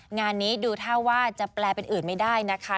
งานนี้ดูท่าว่าจะแปลเป็นอื่นไม่ได้นะคะ